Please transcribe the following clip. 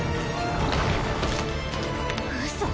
うそ。